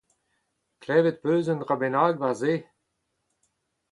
Klevet az peus un dra bennak war se ?